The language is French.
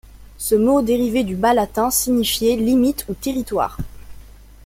Ce mot dérivé du bas latin signifiait limite ou territoire.